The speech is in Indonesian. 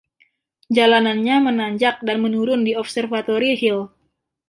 Jalanannya menanjak dan menurun di Observatory Hill.